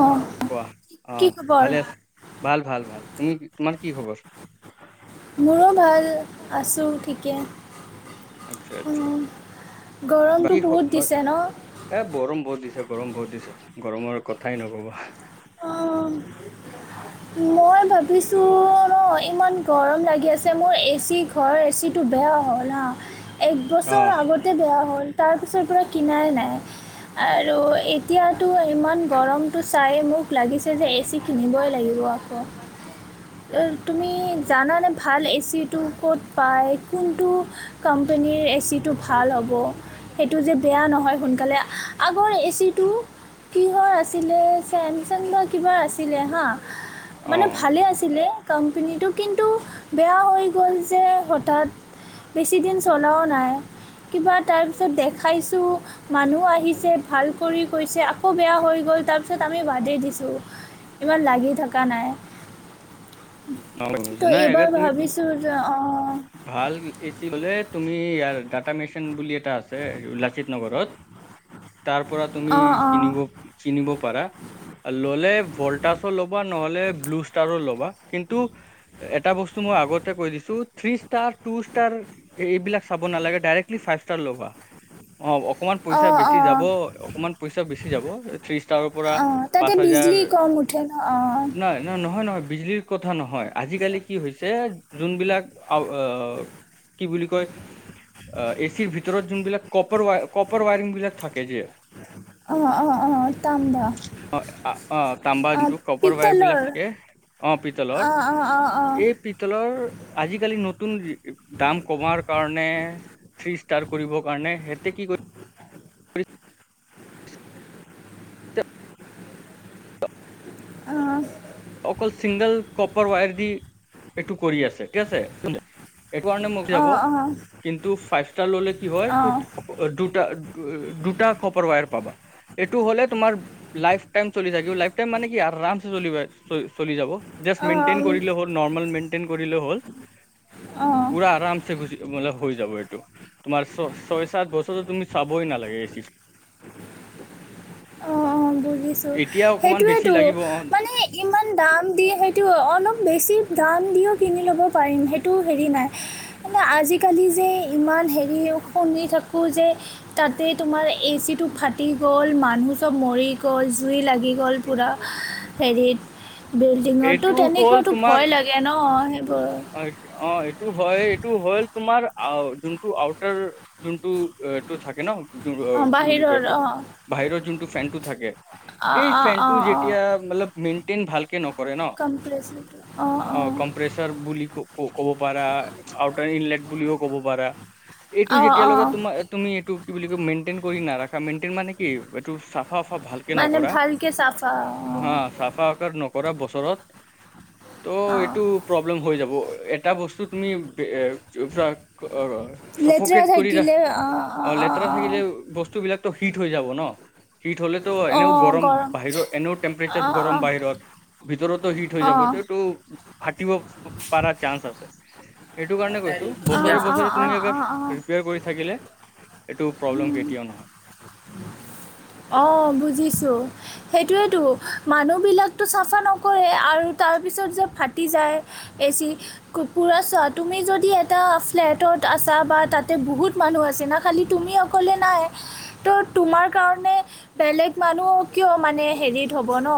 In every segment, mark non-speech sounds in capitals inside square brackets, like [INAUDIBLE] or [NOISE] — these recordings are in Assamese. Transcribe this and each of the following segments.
অ কোৱা আ, কি খবৰ ভালে আছে ভাল-ভাল-ভাল তুমি তোমাৰ কি খবৰ? মোৰো ভাল। আছো ঠিকে। আচ্ছা, আচ্ছা উম, গৰমটো বাকী বহুত দিছে ন এ গৰম বহুত দিছে, গৰম বহুত দিছে। গৰমৰ কথাই নক'বা। অহ' মই ভাবিছো ন ইমান গৰম লাগি আছে। যে মোৰ এ চি ঘৰৰ এচিটো বেয়া হ'ল হা, অ একবছৰ আগতে বেয়া হ'ল। তাৰপিছৰ পৰা কিনাই নাই। আৰু এতিয়াতো ইমান গৰমটো চায় মোক। লাগিছে যে এ চি কিনিবই লাগিব আকৌ, তুমি। জাননে ভাল এ চি? ক'ত প কোনটো কোম্পনীৰ এচিটো ভাল হ'ব সেইটো যে বেয়া নহয় সোনকালে আগৰ এচিটো কিহৰ আছিলে ছেম যেনিবা কিবা আছিলে হা, অ মানে ভালেই আছিলে কোম্পেনীটো কিন্তু বেয়া হৈ গ'ল যে হঠাৎ। বেছিদিন চলাও নাই। কিবা তাৰপিছত দেখাইছো, মানুহ আহিছে, ভাল কৰি কৈছে, আকৌ বেয়া হৈ গ'ল। তাৰ পিছত আমি গুৱাহাটীত দিছো। ইমান লাগি থকা নাই। নগাঁওত কিনি ছা তো নাই একে এইবাৰ তুমি ভাবিছোঁ যে অঁ ভাল এ চি ল'লে। তুমি ইয়াৰ ডাটা মেচিন বুলি এটা আছে লাচিত নগৰত। তাৰ পৰা তুমি অঁ অঁ কিনিব কিনিব পাৰা। ল'লে ভল্টাছ ল'ব বা নহ'লে ব্লু ষ্টাৰো ল'বা। টো এটা বস্তু মই আগতে কৈ দিছো থ্ৰী ষ্টাৰ, টুষ্টাৰ এইবিলাক চাব নালাগে। ডাইৰেক্ট লি ফাইভ ষ্টাৰ লবা। [UNINTELLIGIBLE] অ' অকমান পইচা অঁ বেছি অঁ যাব, অকমান পইচা বেছি যাব। থ্ৰী ষ্টাৰৰ পৰা অঁ তাতে পাঁচ হাজাৰ বিজলী কম উঠে ন নহয়, নহয়, নহয়, নহয়। বিজুলীৰ কথা নহয় আজিকালি কি হৈছে যোনবিলাক। অ' কি বুলি কয়। এচিৰ ভিতৰত যোনবিলাক কপাৰৱ কপাৰ ৱায়াৰিং বিলাক থাকে যে। অ' অ' অ' তাম ন। অ অ' তাম্বা যোনটো কপাৰ ৱায়াৰ বিলাক থাকে অ' পিতলৰ অঁ অঁ অঁ অঁ এই পিতলৰ। আজিকালি নতুন দাম কমাৰ কাৰণ থ্ৰী ষ্টাৰ কৰিব কাৰণে। এতে কি কৰি। অ' অকল চিংগল কপাৰ ৱায়াৰ দি এইটো কৰি আছে ঠিক আছে। এইটো কাৰণে মোক যাব। অঁ কিন্তু ফাইভ ষ্টাৰ ল'লে কি হয় দুটা দুটা কপাৰ ৱায়াৰ পাবা। এইটো হ'লে তোমাৰ লাইফ টাইম চলি থাকিব লাই টাই মানে কি ৰাফ চলিব। চল চলি যাব, জাষ্ট মেইনটেইন অঁ কৰিলে হ'ল নৰ্মেল মেইনটেইন কৰিলে হ'ল। অঁ অঁ পোৰা আৰামছে গুচি মতলৱ হৈ যাব এইটো তোমাৰ ছ ছয় চাত বছৰতো তুমি চাবই নালাগে এ চি। অ'বহিছো, এতিয়া অকমান বেছি সেইটোৱেটো লাগিব অ মানে ইমান দাম দি সেইটো অলপ বেছি দাম দিওঁ কিনি ল'ব পাৰিম। সেইটো হেৰি নাই মানে আজিকালি যে ইমান। হেৰি শুনি থাকো যে তাতে তোমাৰ এচিটো ফাটি গ'ল মানুহ চ'ব মৰি গ'ল, জুই লাগি গ'ল পোৰা হেৰিত। বিল্ডিংটো এইটো তেনেকুৱাতো ভয় লাগে ন। সেইবোৰ অ' অ' এইটো হয়, এইটো হ'ল। তোমাৰ আউ যোনটো আউটাৰ যোনটো টো থাকে ন। অঁ কি বুলি বাহিৰৰ কয়টো অঁ বাহিৰৰ যোনটো ফেনটো থাকে। অঁ এই অঁ ফেন অঁ টো অঁ যেতিয়া মতলব মেইনটেইন ভালকে নক নকৰে ন কম্প্ৰেছৰটো অঁ অ' অঁ ক্ৰমপেছাৰ। বুলি ক ক'ব পাৰা, আউটাৰ ইনলেট বুলিও ক'ব পাৰা। এইটো অঁ যেতিয়ালৈকে অঁ তোমাৰ তুমি এইটো কি বুলি কয় মেইনটেইন কৰি নাৰাখা মেইনটেইন মানে কি এইটো চ ফাফা ভালকে মানে নকৰা, ভালকে চাফা হা অঁ চাফা কৰ নক বছৰত অঁ প্ৰব্লেম হৈ যাব এটা বস্তু তুমি অ' চফক লেতেৰা কৰি থাকিলে অঁ অঁ অ' অঁ লেতেৰা অঁ থাকিলে বস্তু বস্তু বিলাকো হিট হৈ যাব ন? শীত হ'লেতো এনেও গৰম বাহিৰত এনেও টেম্পাৰেচাৰ অঁ অঁ গৰম অঁ বাহিৰত ভিতৰত হিট হৈ অঁ যাব, এইটো ফাটিব পাৰাৰ চান্স আছে। এইটো কাৰণে কৈছো, বছৰে বছৰে তুমি অঁ অগৰ অঁ অঁ ৰিপেয়াৰ কৰি থাকিলে। এইটো প্ৰব্লেম কেতিয়াও নহয়। অ' বুজিছো। সেইটোৱেতো মানুহবিলাকতো চাফা নকৰে আৰু তাৰপিছত যে ফাটি যায়। বেছি কুৰকোৰা সোৱাদ তুমি যদি এটা ফ্লেটত আছা বা তাতে বহুত মানুহ আছে না খালী তুমি অকলে নাই? ত' তোমাৰ কাৰণে বেলেগ মানুহ কিয় মানে হেৰিত হ'ব ন?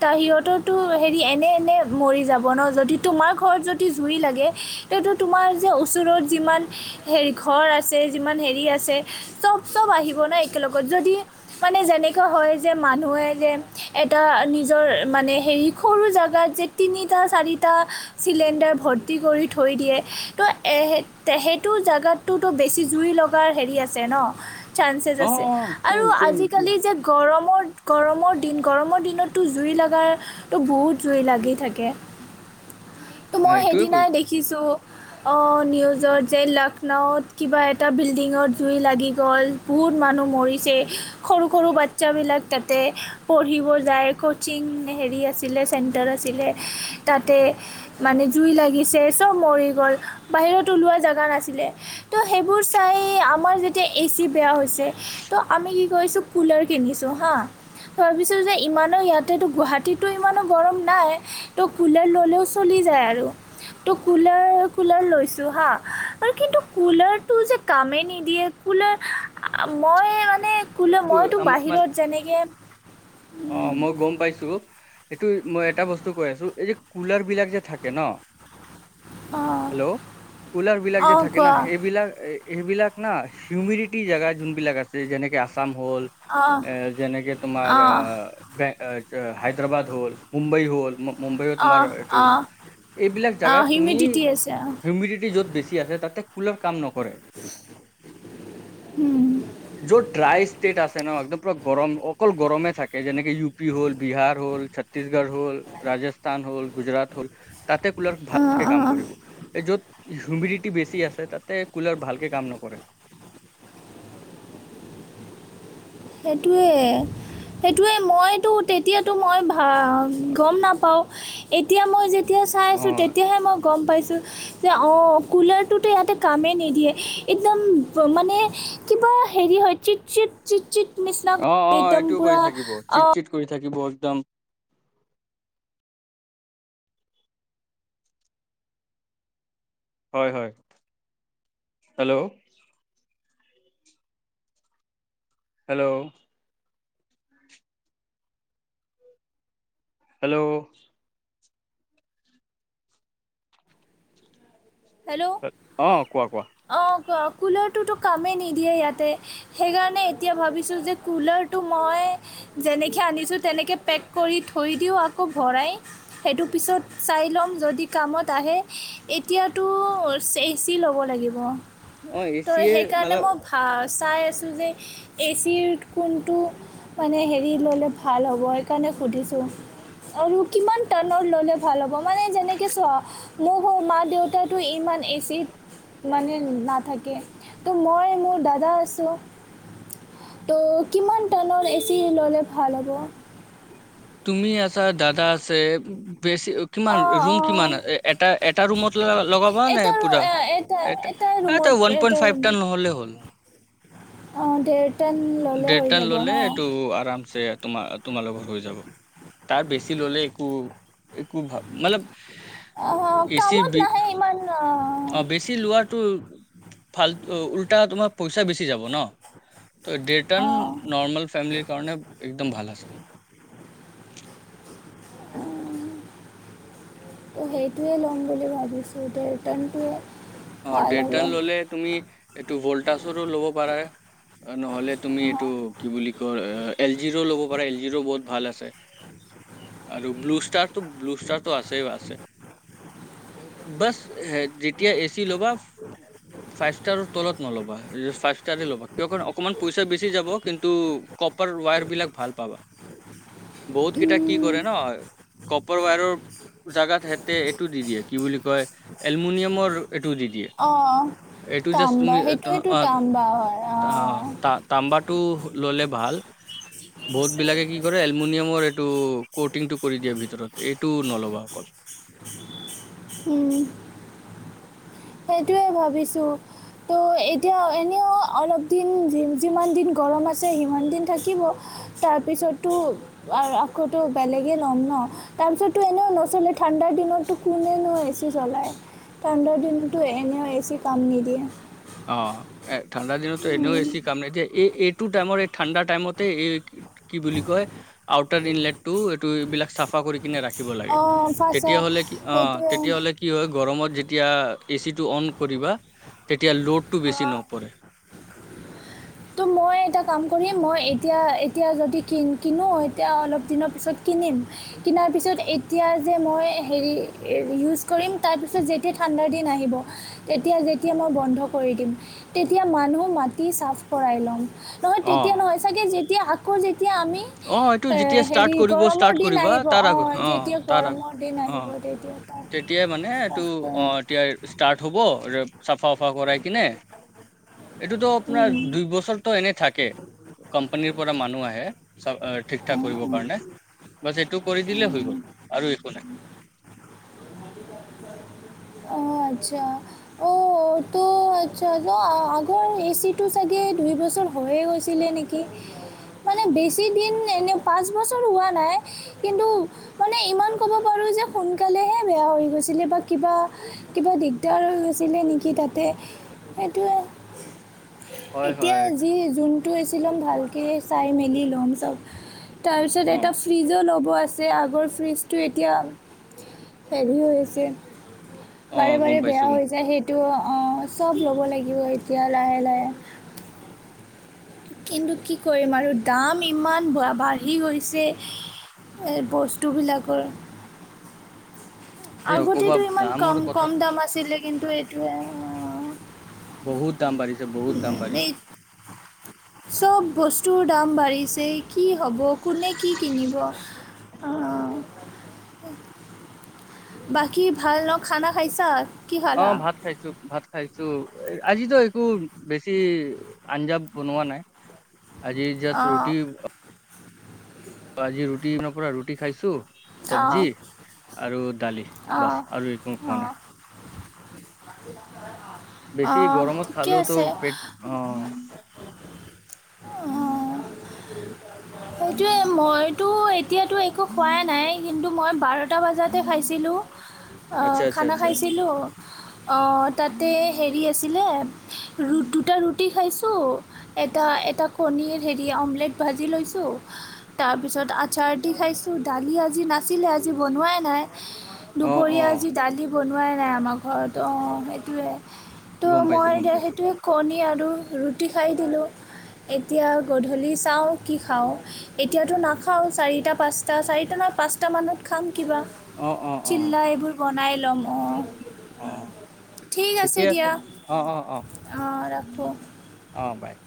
তাৰ সিহঁততো হেৰি এনে এনে মৰি যাব ন যদি তোমাৰ ঘৰত যদি জুই লাগে এইটো তোমাৰ যে ওচৰত যিমান হেৰি ঘৰ আছে যিমান হেৰি আছে চব চব িব ন একেলগত যদি মানে যেনেকুৱা হয় যে মানুহে যে এটা নিজৰ মানে হেৰি সৰু জেগাত যে তিনটা চাৰিটা চিঙিদাৰ ভৰি কৰি থৈ দিয়ে তো সেইটো জেগাততোতো বেছি জুই লগাৰ হেৰি আছে ন। চানসেছ অ আছে অ আৰু চেম চেম আজিকালি যে গৰম গৰমৰ গৰমৰ দিন গৰমৰ দিনততো জুই লগাতো বহুত জুই লাগি থাকে। ত মই এইটোৱে কৈ সেইদিনাই দেখি কিছু নিউজৰ যে লক্ষ্ণৌত কিবা এটা বিল্ডিঙৰ জুই লাগি গ'ল। বহুত মানুহ মছে সৰু সৰু বাচ্ছাবিলাক তাতে পঢ়িব যায়। যি মানে হেৰি আছিলে চেন্টাৰ আছিলে, তাতে মানে জুই লাগিছে। চব মৰি গল, বাহিৰত ওলোৱা জেগা নাছিলে, ত সেইবোৰ চাই আমাৰ জেতিয়া বেছি বেয়া হৈছে তো আমি কি কৰিছোঁ কুলাৰ কিনিছোঁ হাঁ। ভাবিছো যে ইমানো ইয়াতেতো গুৱাহাটীতো ইমানো গৰম নাই ত' কুলাৰ ললেও চলি যায় আৰু। ত কুলাৰ কুলাৰ লৈছোঁ হাঁ আৰু কিন্তু কুলাৰটো যে কামেই নিদিয়ে। মই মানে কলে মইতো আম বাহিৰত যেনেকে অ' মই গম পাইছো। এইটো মই এটা বস্তু কৈ আছো এই যে কুলাৰ বিলাক যে থাকে ন। অঁ হেল্ল', কুলাৰ বিলাক যে অঁ থাকে ন কোৱা এইেইবিলাক এইবিলাক না হিউমিডিটি জেগা যোনবিলাক আছে যেনেকে আ হল অঁ এ যেনেকে তোমাৰ অঁ ব হায়দৰাবাদ হ'ল, মুম্বাই হ'ল। মুম্বাইও তোমাৰ অঁ এইটো অঁ এইবিলাক অঁ জোগাত তুমি হিউমিডিটি আছে অঁ হিউমিডিটি য'ত বেছি আছে তাতে কুলাৰ কাম নকৰে। [INAUDIBLE] য ড্ৰাই ষ্টেট আছে ন একদম পুৰা গৰম অকল গৰমে থাকে যেনেকে ইউ পি হ'ল বিহাৰ হল ছত্তছগড় হল ৰাজস্থান হল গুজৰাাত হ'ল। তাতে কুলাৰ ভালকে অঁ কাম অঁ কৰিব, এই য'ত ঝুমৰি বেছি আছে তাতে কুলাৰ ভালকে কাম নকৰে। [INAUDIBLE] সেইটোৱে। সেইটোৱে মইতো তেতিয়াতো মই গম নাপাওঁ এতিয়া মই যে তেতিয়া চাই আছো অ তেতিয়াহে মই গম পাইছো। অঁ কুলাৰটোতো ইয়াতে কামেই নিদিয়ে একদম মানে কিবা হেৰি হয় চিট চিট চিট চিট নিচিনা অ অ একদম এইটোও পূৰা কৰি থাকিব চিট চিট কৰি থাকিব একদম হয় হয়, হেল্ল'। হেল্ল'। হেল্ল'। হেল্ল' অ কোৱা কোৱা অ' কওক। কুলাৰটোতো কামেই নিদিয়ে ইয়াতে সেইকাৰণে এতিয়া ভাবিছোঁ যে কুলাৰটো মই যেনেকৈ আনিছোঁ তেনেকৈ পেক কৰি থৈ দিওঁ আকৌ ভৰাই। সেইটো পিছত চাই ল'ম যদি কামত আহে, এতিয়া সটো এচি লব লাগিব, অ ত এচিয়ে সেইকাৰণেই মানে মই ভাল চাই আছোঁ যে এ চিৰ কোনটো মানে হেৰি ল'লে ভাল হ'ব সকাৰণে সুধিছোঁ। আৰু কিমান টানত ললে ভাল হ'ব মানে যেনেকে চোৱা মোকৌ মা দেউত তাতো ইমান এচিড মানে নাথাকে ত' মই মোৰ দাদা আছো। ত' কিমান টানৰ এচি ললে ভাল হ'ব। তুমি আছা দাদা আছে। বেছি কিমান অঁ ৰুম অঁ কিমান এটা এটা ৰুমত লগাবা নে এটা ৰু পুৰা? এটা তই ৰুমত ওৱান পইণ্ট ফাইভ টান নহ'লে হ'ল। অ' দে' দেৰট ললে এইটো আৰামছে [INAUDIBLE] তোমাৰ- তোমাৰ লগৰ হৈ যাব তাৰ বেছি ললে একো - একো ভাল মানে অঁ এচি কামত বি, নাহে ইমান অঁ অ' বেছি লোৱাটো ফাল উল্টা তোমাৰ পইচা বেছি যাব ন'। ত ডেটন অঁ নৰ্মেল ফেমিলিৰ কাৰণে একদম ভাল আছে [INAUDIBLE] সেইটোৱে ল'ম বুলি ভাবিছোঁ এতি ৰিটাৰ্ণটোৱে। অ ভাল হ'ব ডেৰটন ললে তুমি এইটো ভল্টাজৰো ল'ব পাৰা। নহলে তুমি অঁ এইটো কি বুলি ক এল জিৰ ৰো ল'ব পাৰা এল জিৰ ৰো বহুত ভাল আছে। আৰু ব্লুষ্টাৰো ব্লু ষ্টাৰতটো আছে আছে। বছ যেতিয়া এ চি ল'ব। বা [UNINTELLIGIBLE] কপাৰ ৱায়াৰ বিলাক ভাল পাবা। বহুতকেইটা কি উম, কৰে ন ক' ক'পাৰ ৱায়ৰেৰ জেগাত সিহেঁতে এইটো দি দিয়ে কি বুলি কয় এলুমিনিয়ামৰ অ'। তাম্বা তুমি এ, ত- সেইটোৱেইটো অ, তাম্বা হয় আহ। তা- [INAUDIBLE] তা- বহুতবিলাকে কি কৰে এলুমিনিয়ামৰ এইটো কটিংটো কৰি দিয়ে ভিতৰত এইটো নল'বা অকল। উম, সেইটোৱে ভাবিছো। ত' এতিয়া এনেও অলপ দিন যিমান দিন গৰম আছে সিমান দিন থাকিব। তাৰ পিছতটো আকৌ বেলেগে ল'ম ন তাৰপিছতো এনেও নচলে থাক ঠাণ্ডাৰ দিনতো কোনেনো এ চি জ্বলায় ঠাণ্ডাৰ দিন টো এনেও এ ছি কাম নিদিয়ে। অ', এ ঠাণ্ডা দিন এনেও এ চি কাম নিদিয়ে এই এই টো টাইমত এই ঠাণ্ডাৰ টাইমতেই এ কি বুলি কয় আউতাৰ দিন লেটটো এইটো এইবিলাক চাফা চাফা কৰি কিনে ৰাখিব লাগে অঁ ফাৰ্ষ্ট তেতিয়া হ'লে কি অ' এইটোৱে তেতিয়া হ'লে কি হয় গৰমত যেতিয়া এ চিটো অন কৰিবা তেতিয়া ল'ডটো বেছি নপৰে। [INAUDIBLE] ত' মই এটা কাম কৰি মই এতিয়া এতিয়া যদি কিন কিনো এতিয়া অলপ দিনৰ পিছত কিনিম কিনাৰ পিছত এতিয়া যে মই হেৰি ইউজ কৰিম তাৰপিছত যেতিয়া ঠাণ্ডাৰ দিন আহিব তেতিয়া যেতিয়া মই বন্ধ কৰি দিম তেতিয়া মানুহ মাতি চাফা কৰাই ল'ম নহয় অ তেতিয়া চাগে যেতিয়া আক তিয়া আমি অ এইটো যেতিয়া ষ্টাৰ্ট হেৰি কৰিব ষ্টাৰ্ট গৰমৰ দিন কৰিবা আহিব তাৰ আগত অ' যেতিয়া তাৰ আগত গৰমৰ দিন অ আহিব। তেতিয়া তাৰ তেতিয়াই মানে এইটো অ' এতিয়া ষ্টাৰ্ট হ'ব চাফা চফা কৰাই কিনে। এইটো তো আপোনাৰ উম, দুই বছৰটো এনে থাকে কোম্পানীৰ পৰা মানুহ আহে। চব ঠিক অঁ ঠাক কৰিবৰ অঁ কাৰণে বাছ সেইটো কৰি দিলে হৈ গ'ল আৰু একো নাই। [INAUDIBLE] অ', আচ্ছা অ' ত তো আচ্ছা আগৰ এ চি টো চাগে দুই বছৰ হৈয়ে গৈছিলে নেকি। মানে বেছি দিন এনে পাঁচ বছৰ হোৱা নাই কিন্তু মানে ইমান ক'ব পাৰোঁ যে সোনকালেহে বেয়া হৈ গৈছিলে বা কিবা কিবা দিগদাৰ হৈছিলে নেকি তাতে সেইটোৱে হয় এতিয়া হয় যি যোনটো আছিল ল'ম ভালকে চাই মেলি ল'ম চব। তাৰপিছত অ এটা ফ্ৰিজো ল'ব আছে আগৰ ফ্ৰীজটো এতিয়া হেভি হৈ আছে অ বাৰে, বাৰে গম বেয়া পাইছো গম হৈ যায় সেইটো অ', চব ল'ব লাগিব এতিয়া লাহে, লাহে। কিন্তু কি কৰিম আৰু দাম ইমান বাঢ়ি গৈছে। এই বস্তুবিলাকৰ। পাইছো আগতে নকবা ইমান দামৰ কম, কথা কম দাম আছিলে কিন্তু এইটোৱে। বহুত। দাম বাঢ়িছে বহুত দাম এই বাঢ়িছে ট চব বস্তুৰ দাম বাঢ়িছে। কি হ'ব কোনে কি কিনিব আ। বাকী ভাল ন খানা খাইছা। কি খালা অ', ভাত খাইছোঁ ভাত খাইছোঁ। আজিতো একো বেছি আঞ্জা বনোৱা নাই। আজি জাষ্ট অঁ ৰুটি। আজি ৰুটি [UNINTELLIGIBLE] ৰুটি খাইছো। অঁ চবজি আৰু দালি, অঁ বাচ, আৰু একো পোৱা অঁ নাই। [UNINTELLIGIBLE] বেছি অঁ গৰমত ঠিকে খালেওতো আছে পেট, অ' [INAUDIBLE] সেইটোয়ে, মইতো এতিয়াতো একো খোৱাই নাই, কিন্তু মই বাৰটা বজাতে খাইছিলোঁ, আ, আচ্ছা আচ্ছা খানা আচ্ছা খাইছিলোঁ অ', তাতে হেৰি আছিলে, ৰু দুটা ৰুটি খাইছ এটা-এটা কণীৰ হেৰি, অমলেট ভাজি লৈছো, তাৰপিছত আ চাৰ দি খাইছোঁ, দালি আজি নাছিলে আজি বনোৱাই নাই। অ অ দুপৰীয়া আজি দালি বনোৱাই নাই আমাৰ ঘৰত, অ', সেইটোৱে ত' গম মই পাইছো গম এতিয়া পাইছো সেইটোৱে কণী আৰু ৰুটি খাই দিলোঁ। এতিয়া গধূলি চাওঁ কি খাওঁ, এতিয়াতো নাখাওঁ চাৰিটা পাঁচট টা চাৰিটা নহয় পাঁচটামানত খাম কিবা, অ অ অ চিল্লা এইবোৰ বনাই ল'ম, অ' [INAUDIBLE] ঠিকেই আছে, অ', অ', অ', অঁ ৰাখোঁ অ', বাই। [INAUDIBLE]